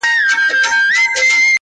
یو دی ښه وي نور له هر چا ګیله من وي -